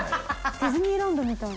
ディズニーランドみたいな。